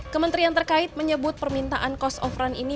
kementerian terkait menyebut permintaan cost of run ini